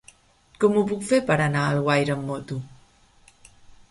Com ho puc fer per anar a Alguaire amb moto?